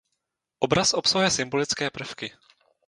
Obraz obsahuje symbolické prvky.